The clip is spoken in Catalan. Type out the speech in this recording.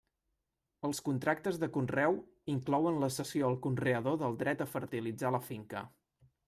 Els contractes de conreu inclouen la cessió al conreador del dret a fertilitzar la finca.